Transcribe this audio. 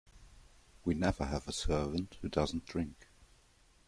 We never have a servant who doesn't drink.